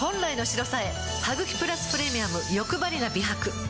「ハグキプラスプレミアムよくばりな美白」